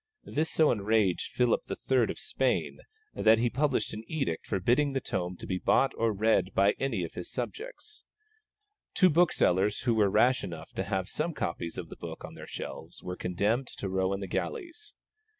This so enraged Philip III. of Spain that he published an edict forbidding the tome to be bought or read by any of his subjects. Two booksellers who were rash enough to have some copies of the book on their shelves were condemned to row in the galleys.